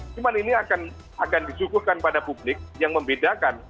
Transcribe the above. cuma ini akan disuguhkan pada publik yang membedakan